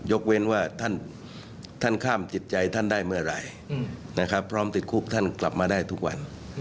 เว้นว่าท่านข้ามจิตใจท่านได้เมื่อไหร่พร้อมติดคุกท่านกลับมาได้ทุกวัน